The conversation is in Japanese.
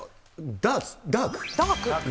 ダーク？